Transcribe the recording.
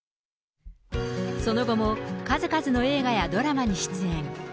その後も、数々の映画やドラマに出演。